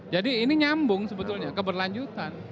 jadi ini nyambung sebetulnya keberlanjutan